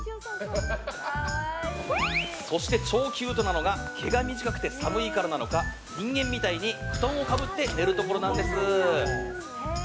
そして超キュートなのが毛が短くて寒いからなのか人間みたいに布団をかぶって寝るところ。